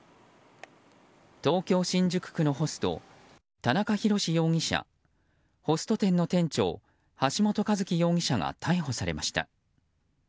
東京・新宿区のホスト田中裕志容疑者ホスト店の店長橋本一喜容疑者が逮捕されました。